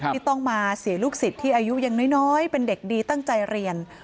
ที่ต้องมาเสียลูกศิษย์ที่อายุยังน้อยเป็นเด็กดีตั้งใจเรียน